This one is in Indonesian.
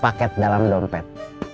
satu paket dalam dompet